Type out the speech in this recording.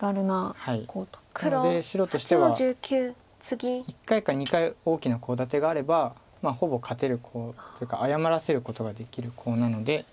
なので白としては１回か２回大きなコウ立てがあればほぼ勝てるコウというか謝らせることができるコウなので。